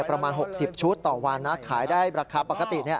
ประมาณ๖๐ชุดต่อวันนะขายได้ราคาปกติ